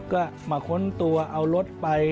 ก็มาค้นตัวเอารถไป